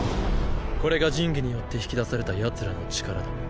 これが神器によって引き出されたヤツらの力だ。